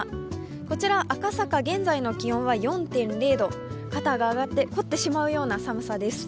こちら赤坂、現在の気温は４．０度肩が上がって、凝ってしまいそうな寒さです。